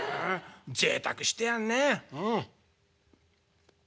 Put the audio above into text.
ぜいたくしてやんねうん」。